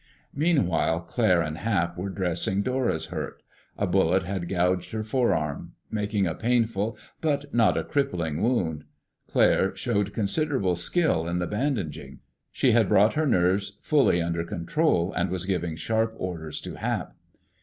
Meanwhile, Claire and Hap were dressing Dora's hurt. A bullet had gouged her forearm, making a painful but not a crippling wound. Claire showed considerable skill in the bandaging. She had brought her nerves fully under control, and was giving sharp orders to Hap.